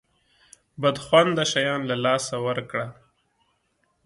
بد خونده شیان له لاسه ورکه.